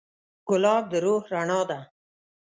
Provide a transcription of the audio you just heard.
ګلاب د روح رڼا ده.